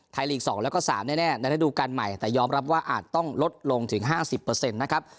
ไทยลีกสองแล้วก็สามแน่แน่ในธุรการใหม่แต่ยอมรับว่าอาจต้องลดลงถึงห้าสิบเปอร์เซ็นต์นะครับ